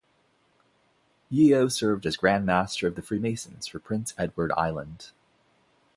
Yeo served as Grand Master of the Freemasons for Prince Edward Island.